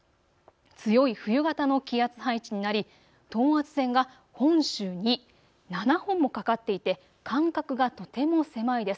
強い冬型の気圧配置になり等圧線が本州に７本もかかっていて間隔がとても狭いです。